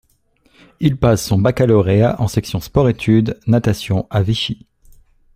Il passe son baccalauréat en section sports-études natation à Vichy.